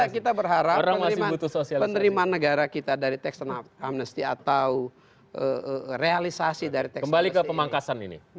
kita berharap penerimaan negara kita dari teks amnesti atau realisasi dari teks amnesti